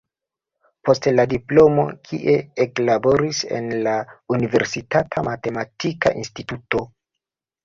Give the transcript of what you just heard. Post la diplomo ki eklaboris en la universitata matematika instituto.